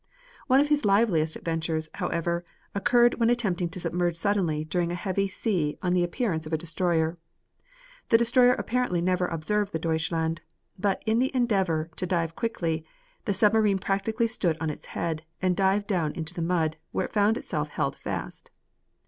One of his liveliest adventures, however, occurred when attempting to submerge suddenly during a heavy sea on the appearance of a destroyer. The destroyer apparently never observed the Deutschland, but in the endeavor to dive quickly the submarine practically stood on its head, and dived down into the mud, where it found itself held fast.